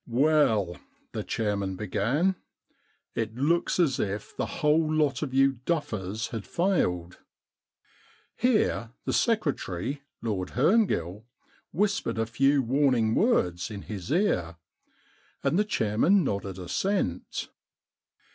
* Well/ the chairman began, * it looks as if the whole lot of you duffers had failed/ Here the secretary. Lord Herngill, whispered a few warning words in his ear, and the chairman nodded assent.